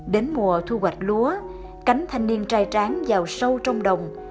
đến mùa thu hoạch lúa cánh thanh niên trai tráng vào sâu trong đồng